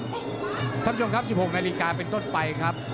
คุณผู้ชมครับ๑๖นาฬิกาเป็นต้นไปครับ